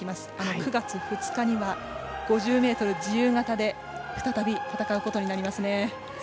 ９月２日には５０ｍ自由形で再び、戦うことになりますね。